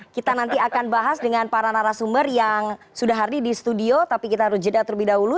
kita nanti akan bahas dengan para narasumber yang sudah hardy di studio tapi kita harus jeda terlebih dahulu